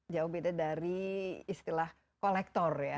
jauh beda dari istilah kolektor ya